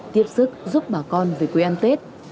tiếp xúc giúp bà con về quê ăn tết